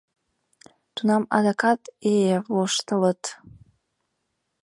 Тунам адакат, э, воштылыт...